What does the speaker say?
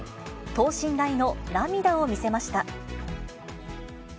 等身大の涙を見せました。